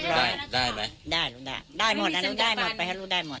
ได้ลูกได้ได้หมดนะลูกได้หมดไปฮะลูกได้หมด